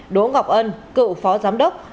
đỗ ngọc ân cựu phó giám đốc